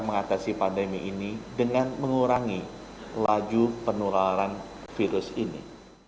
mengatasi pandemi ini dengan mengurangi laju penularan virus ini